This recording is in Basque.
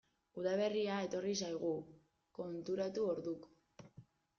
Udaberria etorri zaigu, konturatu orduko.